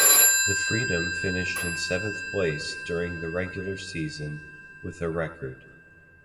The Freedom finished in seventh place during the regular season with a record.